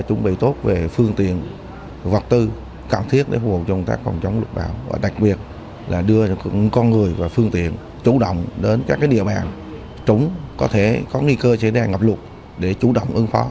cảm thiết để phục vụ cho công tác phòng chống lũ lụt bão đặc biệt là đưa những con người và phương tiện chủ động đến các địa bàn trúng có thể có nghi cơ xảy ra ngập lụt để chủ động ứng phó